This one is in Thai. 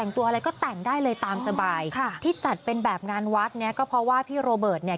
ตามสบายที่จัดเป็นแบบงานวัดเนี่ยเขาเพราะว่าพี่โรเบิร์ตเนี่ย